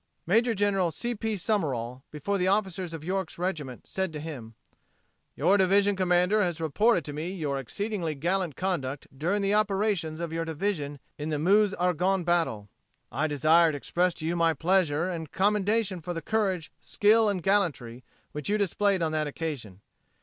Major General C. P. Summerall, before the officers of York's regiment, said to him: "Your division commander has reported to me your exceedingly gallant conduct during the operations of your division in the Meuse Argonne Battle. I desire to express to you my pleasure and commendation for the courage, skill, and gallantry which you displayed on that occasion.